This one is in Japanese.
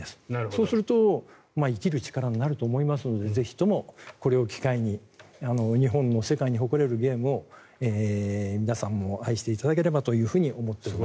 そうすると生きる力になると思いますのでぜひとも、これを機会に日本の世界に誇れるゲームを皆さんも愛していただければというふうに思っています。